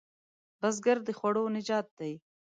بزګر د خوړو نجات دی